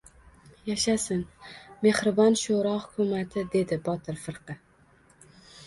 — Yashasin, mehribon sho‘ro hukumati! — dedi Botir firqa.